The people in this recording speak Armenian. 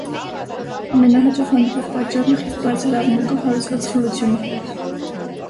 Ամենահաճախ հանդիպող պատճառն է խիստ բարձր աղմուկով հարուցված խլությունը։